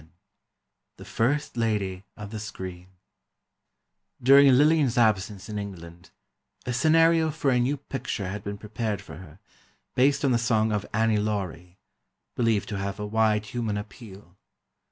VII "THE FIRST LADY OF THE SCREEN" During Lillian's absence in England, a scenario for a new picture bad been prepared for her, based on the song of "Annie Laurie," believed to have a wide human appeal.